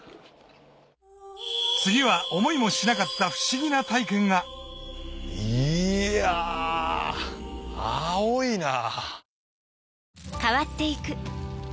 次は思いもしなかった不思議な体験がいや青いな。